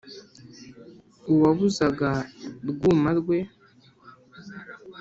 uwabuzaga rwuma rwe